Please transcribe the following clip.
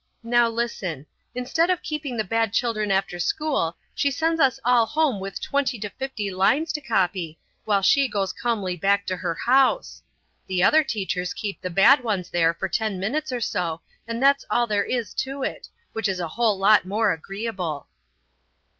Now, listen instead of keeping the bad children after school, she sends us all home with twenty to fifty lines to copy, while she goes calmly back to her house. The other teachers keep the bad ones there for ten minutes or so, and that's all there is to it, which is a whole lot more agreeable."